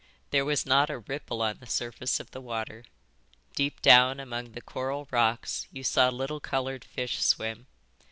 There was not a ripple on the surface of the water. Deep down among the coral rocks you saw little coloured fish swim.